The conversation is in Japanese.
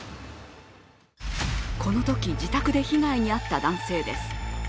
このとき自宅で被害に遭った男性です。